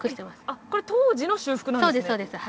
あっ当時の修復なんですね